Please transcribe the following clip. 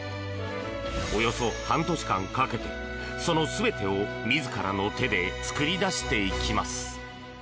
およそ半年間かけて、その全てを自らの手で作り出していきます。